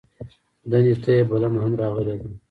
دندې ته یې بلنه هم راغلې ده.